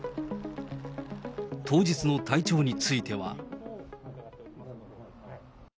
当日の体調については。